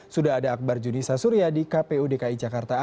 sudah ada akbar judi sasurya di kpu dki jakarta